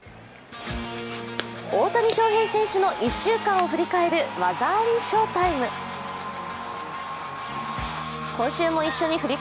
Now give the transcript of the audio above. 大谷翔平選手の１週間を振り返る「技ありＳＨＯ−ＴＩＭＥ」。